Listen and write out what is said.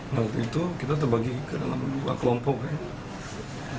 nah waktu itu kita terbagi ke dalam dua kelompok ya